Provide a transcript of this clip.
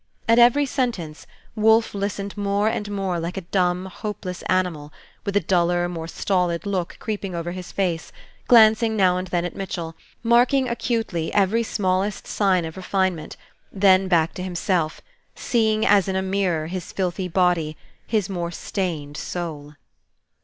At every sentence, Wolfe listened more and more like a dumb, hopeless animal, with a duller, more stolid look creeping over his face, glancing now and then at Mitchell, marking acutely every smallest sign of refinement, then back to himself, seeing as in a mirror his filthy body, his more stained soul.